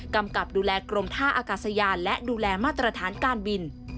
กำกับดูแลกรมท่าอากาศยานและดูแลมาตรฐานการบิน